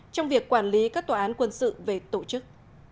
trong việc quản lý các tòa án quân sự về tổ chức